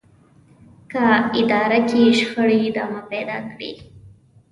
که اداره کې شخړې ادامه پيدا کړي.